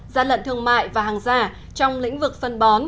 gia lận thương mại và hàng giả trong lĩnh vực phân bón